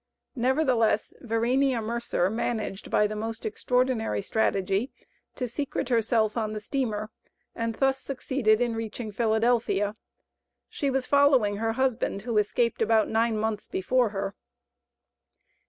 Nevertheless, Verenea Mercer managed, by the most extraordinary strategy, to secrete herself on the steamer, and thus succeeded in reaching Philadelphia. She was following her husband, who escaped about nine months before her.